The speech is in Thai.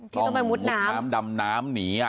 ต้องมุดน้ำดำน้ำหนี